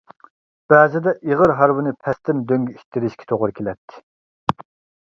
بەزىدە ئېغىر ھارۋىنى پەستىن دۆڭگە ئىتتىرىشكە توغرا كېلەتتى.